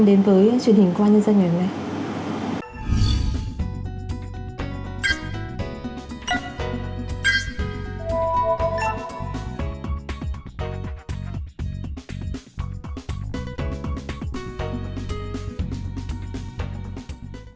đến với truyền hình qua nhân dân ngày hôm nay